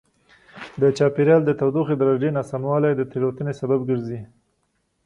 د چاپېریال د تودوخې درجې ناسموالی د تېروتنې سبب ګرځي.